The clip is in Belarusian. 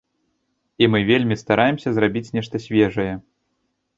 І мы вельмі стараемся зрабіць нешта свежае.